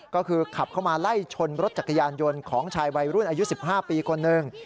ก็คือขับเข้ามาไล่ชนรถจักรยานยนต์ของชายวัยรุ่นอายุ๑๕ปีคนหนึ่ง